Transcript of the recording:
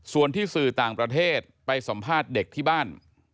ส่วนที่สื่อต่างประเทศไปสัมภาษณ์เด็กที่บ้าน